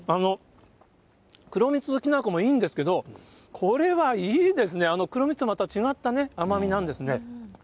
黒蜜のきな粉もいいんですけど、これはいいですね、黒蜜とはまた違った甘みなんですね。